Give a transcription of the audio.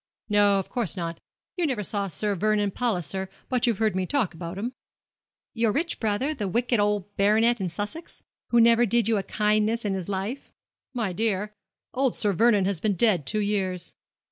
'No, of course not. You never saw Sir Vernon Palliser, but you've heard me talk about him.' 'Your rich brother, the wicked old baronet in Sussex, who never did you a kindness in his life?' 'My dear, old Sir Vernon has been dead two years.'